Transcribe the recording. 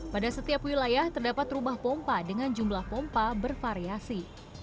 pada setiap wilayah terdapat rumah pompa dengan jumlah pompa bervariasi